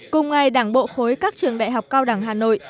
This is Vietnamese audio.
cùng ngày đảng bộ khối các trường đại học cao đẳng hà nội